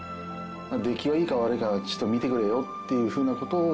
出来はいいか悪いかちょっと見てくれよっていうふうな事を。